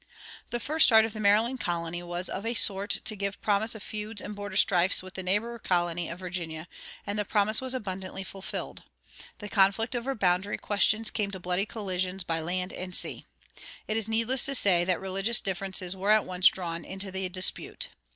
The first start of the Maryland colony was of a sort to give promise of feuds and border strifes with the neighbor colony of Virginia, and the promise was abundantly fulfilled. The conflict over boundary questions came to bloody collisions by land and sea. It is needless to say that religious differences were at once drawn into the dispute.